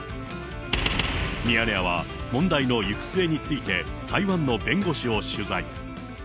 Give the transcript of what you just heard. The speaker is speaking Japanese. ミヤネ屋は問題の行く末について、台湾の弁護士を取材。